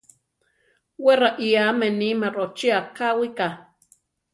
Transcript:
Wé raiáme níma rochí akáwika.